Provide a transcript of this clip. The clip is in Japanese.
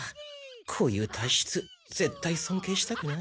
こういう体質ぜったい尊敬したくない。